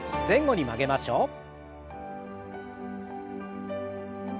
前後に曲げましょう。